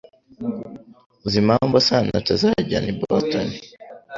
Uzi impamvu Sano atazajyana i Boston